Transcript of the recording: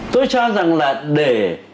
tôi cho rằng là để